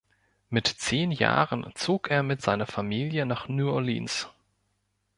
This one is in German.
Mit zehn Jahren zog er mit seiner Familie nach New Orleans.